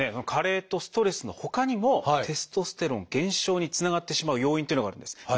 加齢とストレスのほかにもテストステロン減少につながってしまう要因っていうのがあるんです。